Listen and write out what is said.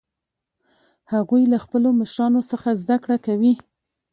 هغوی له خپلو مشرانو څخه زده کړه کوي